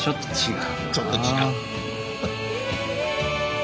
ちょっと違う。